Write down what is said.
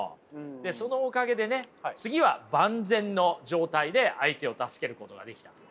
でそのおかげでね次は万全の状態で相手を助けることができたと。